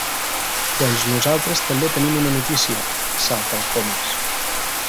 Doncs nosaltres també tenim una notícia —salta el Comas.